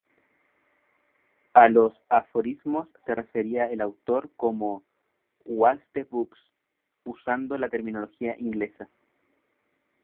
A los Aforismos se refería el autor como "waste books", usando la terminología inglesa.